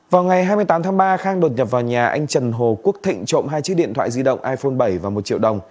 vào ngày hai mươi tám tháng ba khang đột nhập vào nhà anh trần hồ quốc thịnh trộm hai chiếc điện thoại di động iphone bảy và một triệu đồng